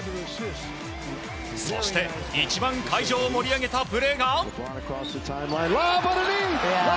そして、一番会場を盛り上げたプレーが。